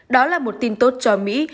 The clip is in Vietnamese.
đó là một tin tốt cho mỹ